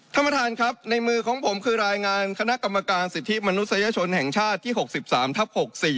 ท่านประธานครับในมือของผมคือรายงานคณะกรรมการสิทธิมนุษยชนแห่งชาติที่๖๓ทับ๖๔